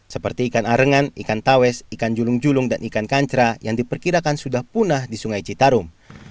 seperti ikan arengan ikan tawes ikan julung julung dan ikan kancra yang diperkirakan sudah punah di sungai citarum